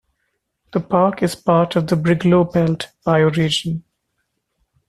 The park is part of the Brigalow Belt bioregion.